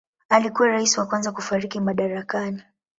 Alikuwa rais wa kwanza kufariki madarakani.